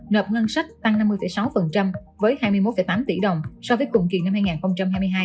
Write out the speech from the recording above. nợp ngân sách tăng năm mươi sáu với hai mươi một tám tỷ đồng so với cùng kỳ năm hai nghìn hai mươi hai